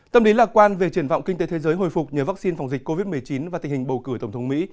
tâm lý lạc quan về triển vọng kinh tế thế giới hồi phục nhờ vaccine phòng dịch covid một mươi chín và tình hình bầu cử tổng thống mỹ